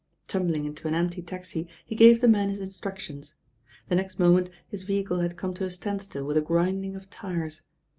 Tumbling into an empty taxi he gave the man his instructions. The next moment his vehicle had come to a standstill widi a grinding of tyres.